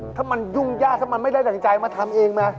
ถ้ามันยุ่งยากถ้ามันไม่ได้ดั่งใจมาทำเองมา